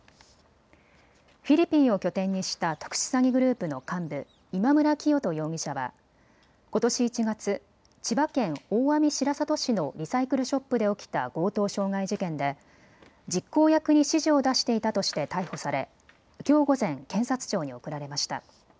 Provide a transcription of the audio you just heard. フィリピンを拠点にした特殊詐欺グループの幹部、今村磨人容疑者はことし１月、千葉県大網白里市のリサイクルショップで起きた強盗傷害事件で実行役に指示を出していたとして逮捕され、きょう午前、検察庁に送られました。